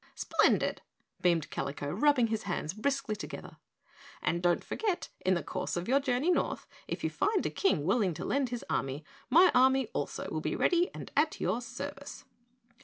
"Splendid!" beamed Kalico, rubbing his hands briskly together, "and don't forget, in the course of your journey north, if you find a King willing to lend his army, my army also will be ready and at your service."